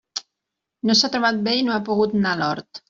No s'ha trobat bé i no ha pogut anar a l'hort.